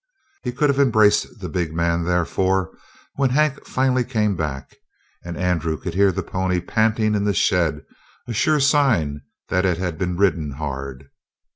He could have embraced the big man, therefore, when Hank finally came back, and Andrew could hear the pony panting in the shed, a sure sign that it had been ridden hard.